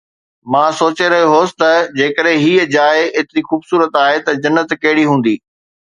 مان سوچي رهيو هوس ته جيڪڏهن هيءَ جاءِ ايتري خوبصورت آهي ته جنت ڪهڙي هوندي